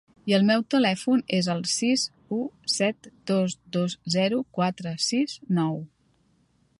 I el meu telèfon és el sis u set dos dos zero quatre sis nou.